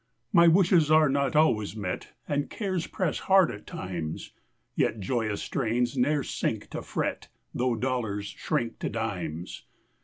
My wishes are not always met, And cares press hard at times; Yet joyous strains ne'er sink to fret, Tho' dollars shrink to dimes.